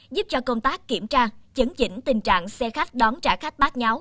giúp cho công tác kiểm tra chấn chỉnh tình trạng xe khách đón trả khách bát nháo